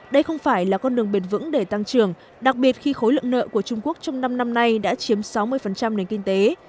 đây không phải là con đường bền vững để tăng trưởng đặc biệt khi khối lượng nợ của trung quốc trong năm năm nay đã chiếm sáu mươi nền kinh tế